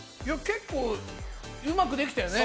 結構、うまくできたよね？